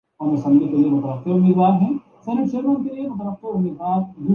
کچھ نمکیات کی وجہ سے ہوگی